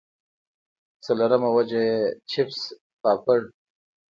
څلورمه وجه ئې چپس پاپړ